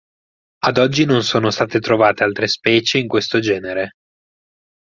Ad oggi non sono state trovate altre specie in questo genere.